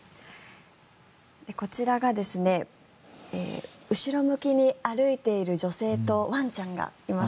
こちらが後ろ向きに歩いている女性とワンちゃんがいます。